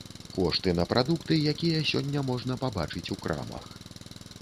Кошты на прадукты, якія сёння можна пабачыць у крамах.